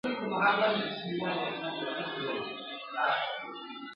داسي وسوځېدم ولاړم لکه نه وم چا لیدلی ..